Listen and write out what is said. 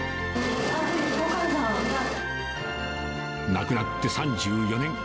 亡くなって３４年。